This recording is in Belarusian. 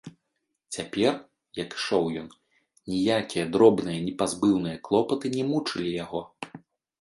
Цяпер, як ішоў ён, ніякія дробныя непазбыўныя клопаты не мучылі яго.